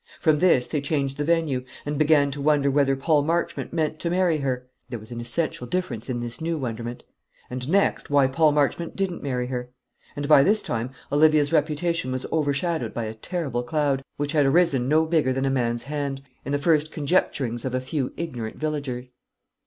From this they changed the venue, and began to wonder whether Paul Marchmont meant to marry her, there was an essential difference in this new wonderment, and next, why Paul Marchmont didn't marry her. And by this time Olivia's reputation was overshadowed by a terrible cloud, which had arisen no bigger than a man's hand, in the first conjecturings of a few ignorant villagers.